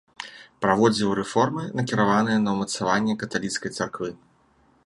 Праводзіў рэформы, накіраваныя на ўмацаванне каталіцкай царквы.